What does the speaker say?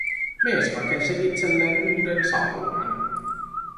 Mies rakensi itselleen uuden saunan